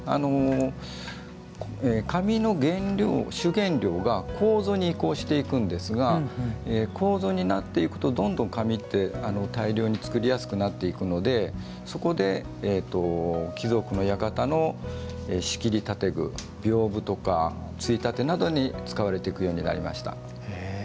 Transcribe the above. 紙の主原料が楮に移行していくんですが楮になっていくとどんどん紙って大量に作りやすくなっていくのでそこで、貴族の館の仕切り建具びょうぶとかついたてなどに使われていくようになりました。